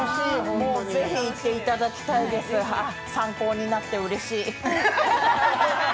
もう、ぜひ行っていただきたいです、参考になってうれしい。